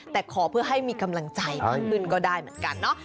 แต่ขอเพื่อให้มีกำลังใจมากขึ้นก็ได้เหมือนกันเนาะ